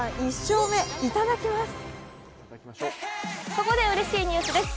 ここでうれしいニュースです。